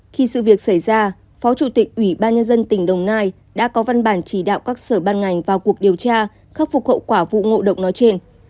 khi sự việc xảy ra phó chủ tịch ủy ban nhân dân tp long khánh đã có văn bản chỉ đạo các sở ban ngành vào cuộc điều tra khắc phục hậu quả vụ ngộ động nói trên